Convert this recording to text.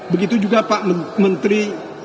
begitu juga pak menteri